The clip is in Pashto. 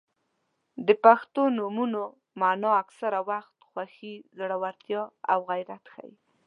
• د پښتو نومونو مانا اکثره وخت خوښي، زړورتیا او غیرت ښيي.